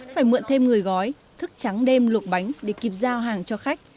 phải mượn thêm người gói thức trắng đêm luộc bánh để kịp giao hàng cho khách